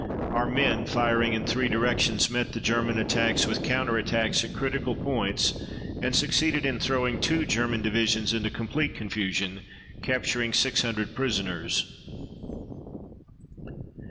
Our men, firing in three directions, met the German attacks with counter attacks at critical points and succeeded in throwing two German divisions into complete confusion, capturing 600 prisoners.